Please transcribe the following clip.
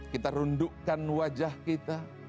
kita rundukkan wajah kita